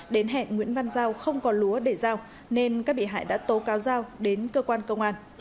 đến hẹn nguyễn văn giao không có lúa để giao nên các bị hại đã tố cáo giao đến cơ quan công an